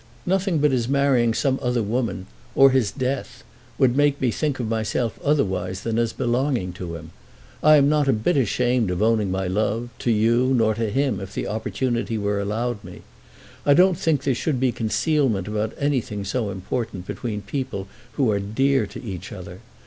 Nothing but his marrying some other woman, or his death, would make me think of myself otherwise than as belonging to him. I am not a bit ashamed of owning my love to you; nor to him, if the opportunity were allowed me. I don't think there should be concealment about anything so important between people who are dear to each other.